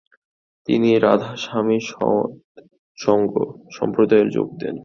তিনি 'রাধা স্বামী সৎসঙ্গ' সম্প্রদায়ে যোগ দেন।